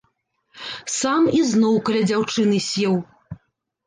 Сам ізноў каля дзяўчыны сеў.